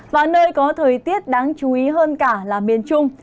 và nơi có thời tiết đáng chú ý hơn cả là miền trung